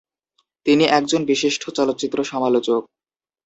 তিনি একজন বিশিষ্ট চলচ্চিত্র সমালোচক।